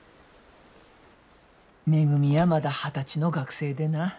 めぐみやまだ二十歳の学生でな。